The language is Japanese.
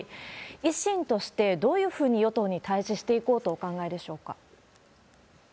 維新としてどういうふうに与党に対じしていこうとお考えでしょうか？